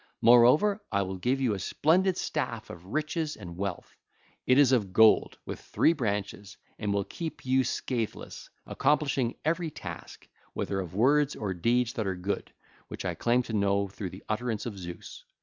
Moreover, I will give you a splendid staff of riches and wealth: it is of gold, with three branches, and will keep you scatheless, accomplishing every task, whether of words or deeds that are good, which I claim to know through the utterance of Zeus.